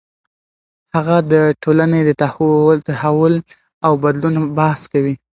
هغه د ټولنې د تحول او بدلون بحث کوي.